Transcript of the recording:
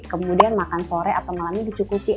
kemudian makan sore atau malamnya dicukupi